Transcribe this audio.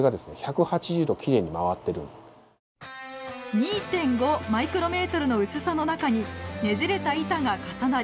２．５マイクロメートルの薄さの中にねじれた板が重なり